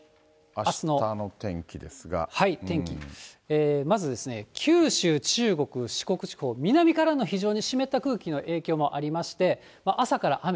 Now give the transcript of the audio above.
天気、まずですね、九州、中国、四国地方、南からの非常に湿った空気の影響もありまして、朝から雨。